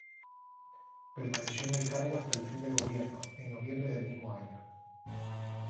Permaneció en el cargo hasta el fin del gobierno, en noviembre del mismo año.